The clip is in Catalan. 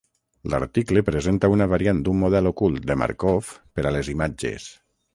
L'article presenta una variant d'un model ocult de Markov per a les imatges.